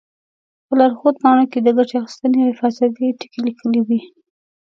په لارښود پاڼو کې د ګټې اخیستنې او حفاظتي ټکي لیکلي وي.